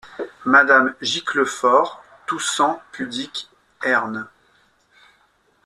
Madame Giclefort, toussant, pudique. — Hern !…